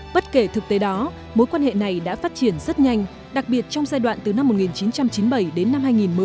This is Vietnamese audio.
bất kể thực tế đó mối quan hệ này đã phát triển rất nhanh đặc biệt trong giai đoạn từ năm một nghìn chín trăm chín mươi bảy đến năm hai nghìn một mươi